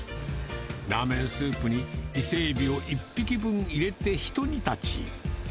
ラーメンスープにイセエビを１匹分入れてひと煮たち。